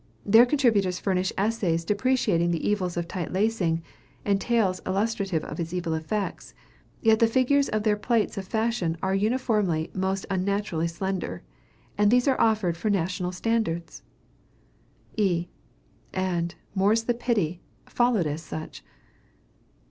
Their contributors furnish essays, deprecating the evils of tight lacing, and tales illustrative of its evil effects, yet the figures of the plates of fashions are uniformly most unnaturally slender. And these are offered for national standards! E. "And, more's the pity," followed as such.